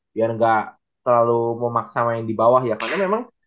biar gak terlalu memaksa main dibawah ya karena memang